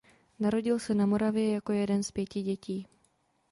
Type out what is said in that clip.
Narodil se na Moravě jako jeden z pěti dětí.